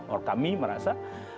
atau kami merasa